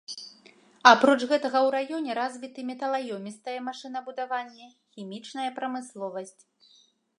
Апроч гэтага, у раёне развіты металаёмістае машынабудаванне, хімічная прамысловасць.